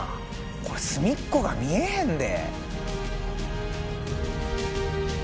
これすみっこが見えへんで。